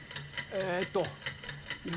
えーっと。